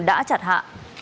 đã chặt hạ